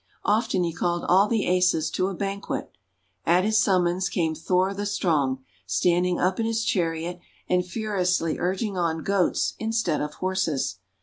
Often he called all the Asas to a banquet. At his summons came Thor the Strong, standing up in his chariot, and furiously urging on Goats instead of Horses.